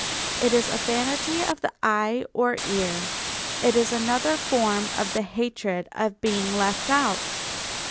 It is a vanity of the eye or ear. It is another form of the hatred of being left out.